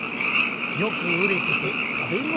よくうれててたべごろじゃ。